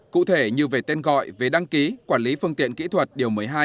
cụ thể như về tên gọi về đăng ký quản lý phương tiện kỹ thuật điều một mươi hai